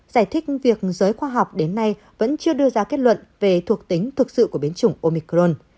giải thích việc giới khoa học đến nay vẫn chưa đưa ra kết luận về thuộc tính thực sự của biến chủng omicron